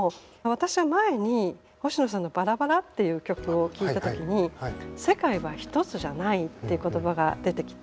私は前に星野さんの「ばらばら」っていう曲を聴いた時に世界はひとつじゃないって言葉が出てきて。